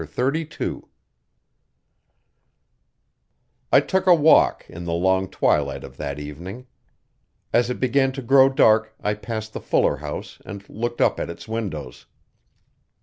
Chapter 32 I took a walk in the long twilight of that evening. As it began to grow dark I passed the Fuller house and looked up at its windows.